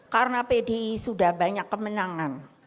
karena pdi sudah banyak kemenangan